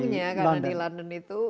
karena di london itu